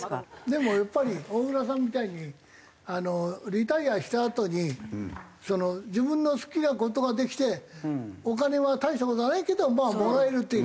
でもやっぱり大浦さんみたいにリタイアしたあとに自分の好きな事ができてお金は大した事はないけどまあもらえるっていうか。